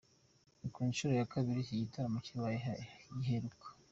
Ni ku nshuro ya kabiri iki gitaramo kiba, giheruka